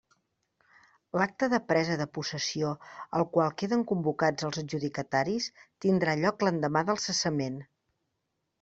L'acte de presa de possessió, al qual queden convocats els adjudicataris, tindrà lloc l'endemà del cessament.